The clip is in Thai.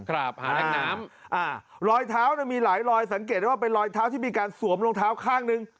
หาแหล่งน้ำอ่ารอยเท้ามีหลายรอยสังเกตได้ว่าเป็นรอยเท้าที่มีการสวมรองเท้าข้างหนึ่ง